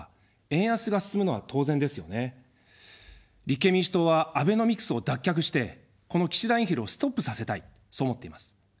立憲民主党はアベノミクスを脱却して、この岸田インフレをストップさせたい、そう思っています。